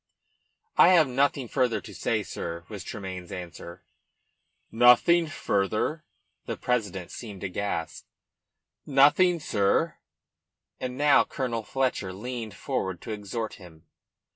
"I have nothing further to say, sir," was Tremayne's answer. "Nothing further?" The president seemed aghast. "Nothing, sir." And now Colonel Fletcher leaned forward to exhort him.